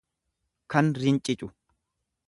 kan rincicu.